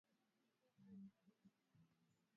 mgonjwa wa malaria anatakiwa kupata tiba bora ya malaria